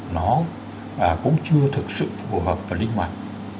nó cũng chưa thực sự phù hợp và linh hoạt